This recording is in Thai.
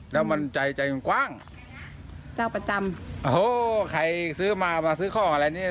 แล้วมันใจใจมันกว้างเจ้าประจำโอ้โหใครซื้อมามาซื้อข้ออะไรเนี้ย